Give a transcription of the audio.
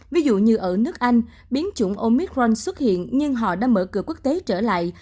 ví dụ như ở nước anh biến chủng omic ron xuất hiện nhưng họ đã mở cửa quốc tế trở lại